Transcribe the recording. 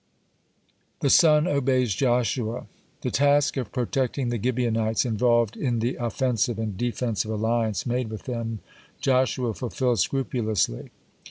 (36) THE SUN OBEYS JOSHUA The task of protecting the Gibeonites involved in the offensive and defensive alliance made with them, Joshua fulfilled scrupulously.